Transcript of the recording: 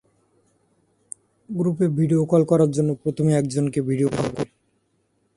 Group video call করার জন্য প্রথমে একজনকে ভিডিও কল করতে হবে।